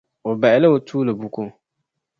O bahila o tuuli buku.